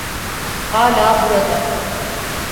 Hala burada.